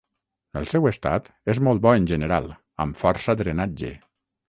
El seu estat és molt bo en general, amb força drenatge.